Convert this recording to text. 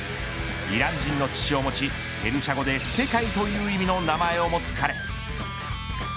イラン人の父を持ちペルシャ語で世界という意味の名前を持つ彼。